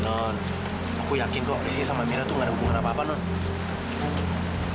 non aku yakin kok rizky sama amira tuh gak ada hubungan apa apa non